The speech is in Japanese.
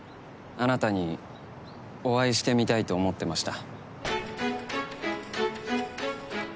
あなたにお会いしてみたいと思ってました。